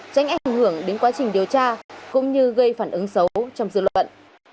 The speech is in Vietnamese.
tránh ảnh hưởng đến quá trình điều tra cũng như gây phản ứng xấu trong dư luận